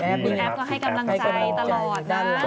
คุณแอฟก็ให้กำลังใจตลอดนะ